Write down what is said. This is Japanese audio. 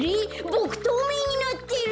ボクとうめいになってる！？